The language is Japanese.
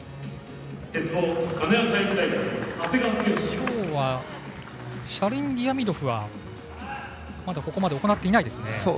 今日は、車輪ディアミドフはここまで行っていないですね。